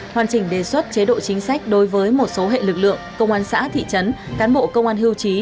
hoàn chỉnh đề xuất chế độ chính sách đối với một số hệ lực lượng công an xã thị trấn cán bộ công an hưu trí